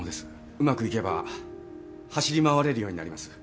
うまくいけば走り回れるようになります